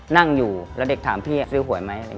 นั่งอยู่แล้วเด็กถามพี่ซื้อหวยไหม